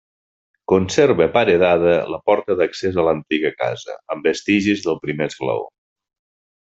Conserva paredada la porta d'accés a l'antiga casa, amb vestigis del primer esglaó.